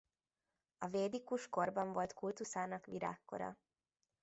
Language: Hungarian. A védikus korban volt kultuszának virágkora.